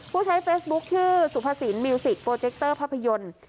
ผู้ใช้เฟซบุ๊คชื่อสุภสินมิวสิกโปรเจคเตอร์ภาพยนตร์